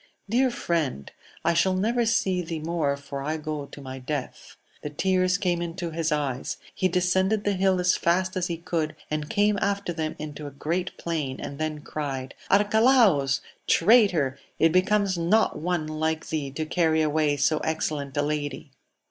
Dear friend, I shall never see thee more, for I go to my death. The tears came into his eyes ; he descended the hill as fast as he could, and came after them into a great plain, and then cried, Arcalaus ! traitor ! it becomes not one like thee to carry away so excellent a lady